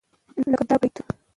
لکه دا بيتونه: